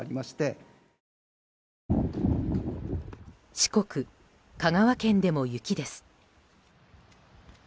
四国、香川県でも雪です。